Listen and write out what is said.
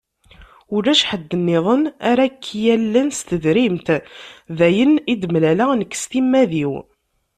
Ulac ḥedd-nniḍen ara ak-yallen s tedrimt, d ayen i d-mmlaleɣ nekk s timmad-iw.